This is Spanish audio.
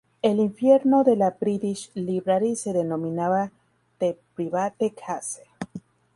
El infierno de la British Library se denominaba "The Private Case".